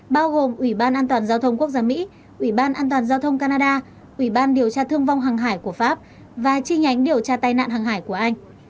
bao gồm ủy ban an toàn giao thông quốc gia mỹ ủy ban an toàn giao thông canada ủy ban điều tra thương vong hàng hải của pháp và chi nhánh điều tra tai nạn hàng hải của anh